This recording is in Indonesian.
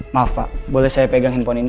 maaf pak boleh saya pegang handphone ini